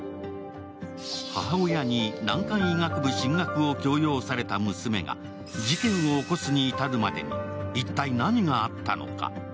母親に難関医学部進学を強要された娘が事件を起こすに至るまでに一体何があったのか。